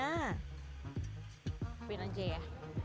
ngapain aja ya